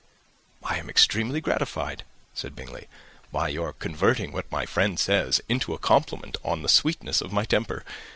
"I am exceedingly gratified," said Bingley, "by your converting what my friend says into a compliment on the sweetness of my temper.